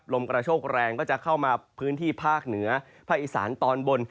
ลมกระโชคแรงก็จะเข้ามาพื้นที่ภาคเหนือภาคอีสานตอนบน